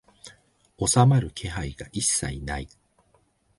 収まる気配が一切ない